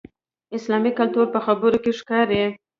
اسلامي کلتور په خبرو کې ښکاري.